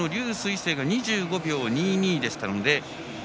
青が２５秒２２でしたので。